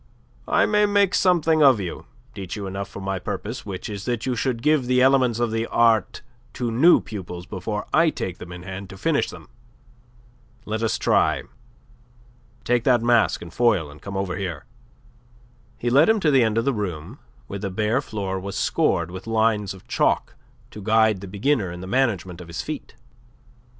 I may make something of you, teach you enough for my purpose, which is that you should give the elements of the art to new pupils before I take them in hand to finish them. Let us try. Take that mask and foil, and come over here." He led him to the end of the room, where the bare floor was scored with lines of chalk to guide the beginner in the management of his feet.